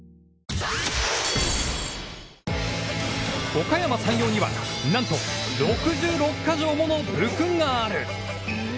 おかやま山陽にはなんと６６か条もの部訓がある。